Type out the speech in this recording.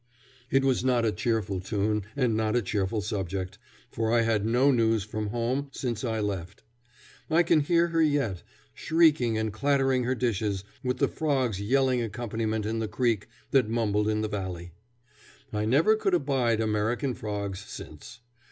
It was not a cheerful tune and not a cheerful subject, for I had had no news from home since I left. I can hear her yet, shrieking and clattering her dishes, with the frogs yelling accompaniment in the creek that mumbled in the valley. I never could abide American frogs since.